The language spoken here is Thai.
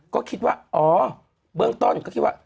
ก็คิดว่าอ๋อเบื้องต้นก็คิดว่า